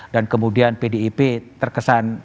dan kemudian pdip terkesan